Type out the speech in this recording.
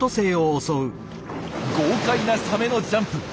豪快なサメのジャンプ！